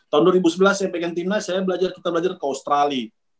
tahun dua ribu sebelas saya pegang timnas saya belajar kita belajar ke australia